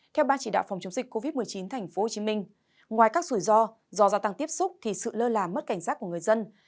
theo ban chỉ đạo phòng chống dịch covid một mươi chín tp hcm ngoài các rủi ro do gia tăng tiếp xúc thì sự lơ là mất cảnh giác của người dân